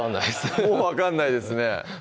もう分かんないですね